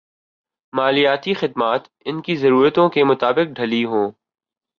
مالیاتی خدمات ان کی ضرورتوں کے مطابق ڈھلی ہوں